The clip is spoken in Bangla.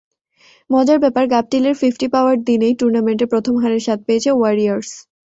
মজার ব্যাপার, গাপটিলের ফিফটি পাওয়ার দিনেই টুর্নামেন্টে প্রথম হারের স্বাদ পেয়েছে ওয়ারিয়র্স।